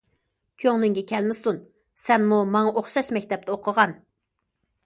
كۆڭلۈڭگە كەلمىسۇن، سەنمۇ ماڭا ئوخشاش مەكتەپتە ئوقۇغان.